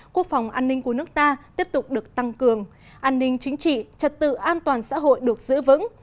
quốc phòng an ninh của nước ta tiếp tục được tăng cường an ninh chính trị trật tự an toàn xã hội được giữ vững